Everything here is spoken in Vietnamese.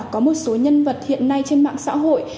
có một số nhân vật hiện nay trên mạng xã hội